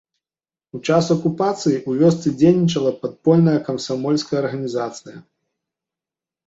У час акупацыі ў вёсцы дзейнічала падпольная камсамольская арганізацыя.